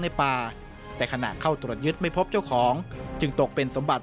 ในป่าแต่ขณะเข้าตรวจยึดไม่พบเจ้าของจึงตกเป็นสมบัติ